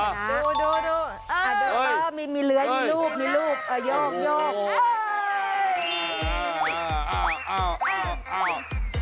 ดูดูดูเปล่ามีเรือยมีลูกมีลูกโยกโยก